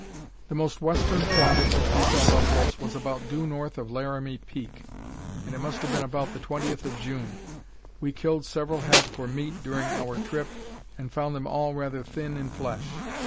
The most western point at which we saw buffaloes was about due north of Laramie Peak, and it must have been about the 20th of June. We killed several head for meat during our trip, and found them all rather thin in flesh.